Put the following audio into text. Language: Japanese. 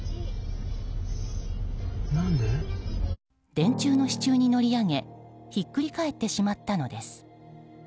電柱の支柱に乗り上げひっくり返ってしまったのです。